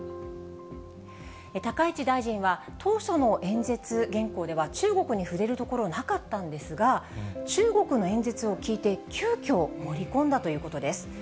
高市大臣は、当初の演説原稿では、中国に触れるところなかったんですが、中国の演説を聞いて急きょ、盛り込んだということです。